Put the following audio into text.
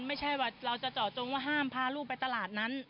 ไม่ใช่ว่าเราจะเจาะจงว่าห้ามพาลูกไปตลาดนั้น